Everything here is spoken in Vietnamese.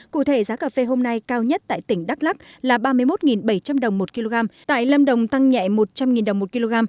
cụ thể giá cà phê hôm nay cao nhất tại tỉnh đắk lắc là ba mươi một bảy trăm linh đồng một kg tại lâm đồng tăng nhẹ một trăm linh đồng một kg